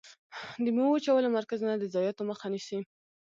د ميوو وچولو مرکزونه د ضایعاتو مخه نیسي.